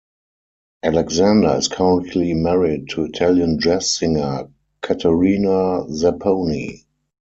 Alexander is currently married to Italian jazz singer Caterina Zapponi.